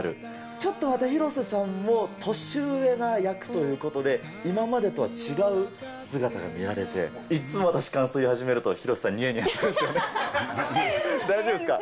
ちょっとまた広瀬さんが、年上な役ということで、今までとは違う姿が見られて、いつも私、感想言い始めると広瀬さん、にやにやするんですよね、大丈夫ですか。